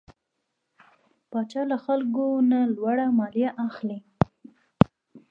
پاچا له خلکو نه لوړه ماليه اخلي .